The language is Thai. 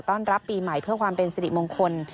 รับปีใหม่เพื่อความเป็นสิริมงคล